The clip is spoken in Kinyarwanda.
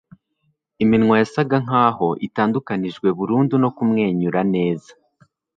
Iminwa ye yasaga nkaho itandukanijwe burundu no kumwenyura neza